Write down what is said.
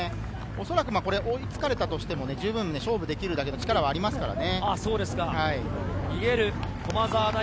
追いつかれたとしても十分勝負できるだけの力はありますからね。